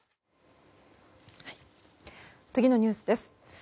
次のニュースです。